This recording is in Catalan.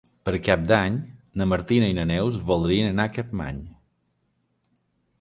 Per Cap d'Any na Martina i na Neus voldrien anar a Capmany.